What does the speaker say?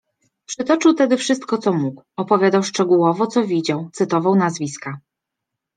Przytoczył tedy wszystko, co mógł, opowiadał szczegółowo, co widział, cytował nazwiska.